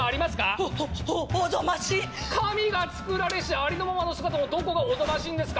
「おっおっおぞましい」「神が創られしありのままの姿のどこがおぞましいんですか？